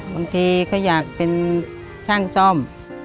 บางทีก็อยากเป็นช่างซ่อม